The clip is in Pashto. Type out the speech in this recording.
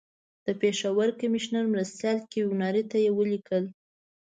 د پېښور کمیشنر مرستیال کیوناري ته یې ولیکل.